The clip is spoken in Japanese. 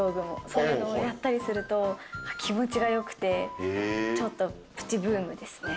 そういうのをやったりすると、気持ちがよくて、ちょっとプチブームですね。